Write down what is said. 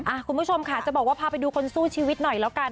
คุณผู้ชมค่ะจะบอกว่าพาไปดูคนสู้ชีวิตหน่อยแล้วกัน